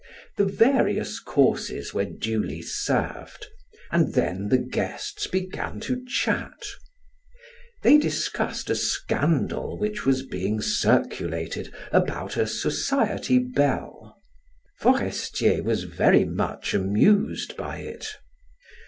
The various courses were duly served and then the guests began to chat. They discussed a scandal which was being circulated about a society belle. Forestier was very much amused by it.